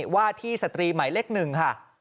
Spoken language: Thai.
ว่าที่สตรีหมายเลข๑ค่ะ